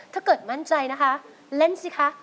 ถ้าเกิดมั่นใจนะคะเล่นสิคะ